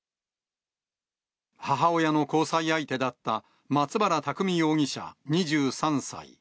母親の交際相手だった松原拓海容疑者２３歳。